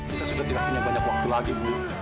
kita sudah tidak punya banyak waktu lagi bu